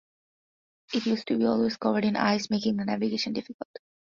It used to be always covered in ice, making the navigation difficult.